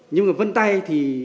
nhưng mà vân tay thì